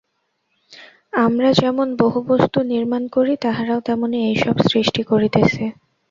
আমরা যেমন বহু বস্তু নির্মাণ করি, তাহারাও তেমনি এইসব সৃষ্টি করিতেছে।